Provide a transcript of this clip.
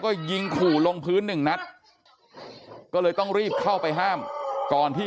ก็ยิงขู่ลงพื้นหนึ่งนัดก็เลยต้องรีบเข้าไปห้ามก่อนที่